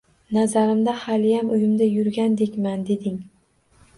— Nazarimda, haliyam uyimda yurgandekman! — deding.